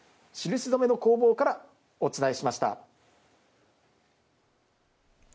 印染の工房からお伝えしました。